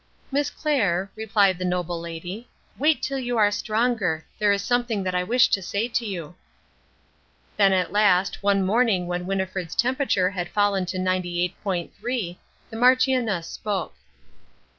"Miss Clair," replied the noble lady, "wait till you are stronger. There is something that I wish to say to you." Then at last, one morning when Winnifred's temperature had fallen to ninety eight point three, the Marchioness spoke.